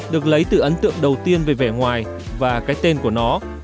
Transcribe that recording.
được lấy từ ấn tượng đầu tiên về vẻ ngoài và cái tên của nó